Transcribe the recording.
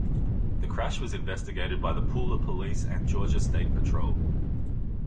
The crash was investigated by the Pooler Police and Georgia State Patrol.